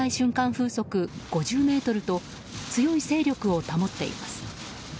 風速５０メートルと強い勢力を保っています。